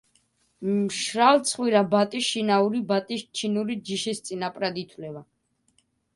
მშრალცხვირა ბატი შინაური ბატის ჩინური ჯიშის წინაპრად ითვლება.